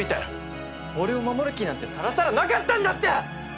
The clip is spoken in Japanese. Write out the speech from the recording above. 俺を守る気なんてさらさらなかったんだって！